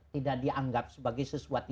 tidak dianggap sebagai sesuatu